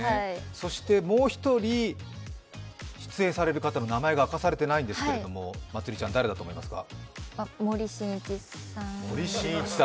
そしてもう１人、出演される方の名前が明かされてないんですけれども、誰だと思いますか？